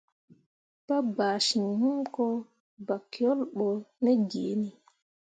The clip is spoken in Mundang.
Pa gbaa ciŋ hũko, bakyole ɓo ne giini.